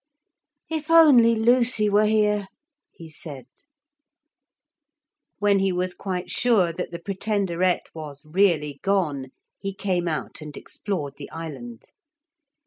'If only Lucy were here,' he said. When he was quite sure that the Pretenderette was really gone, he came out and explored the island.